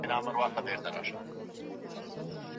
د ملکیار جملې لنډې خو له مانا ډکې دي.